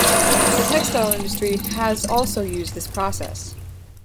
The textile industry has also used this process.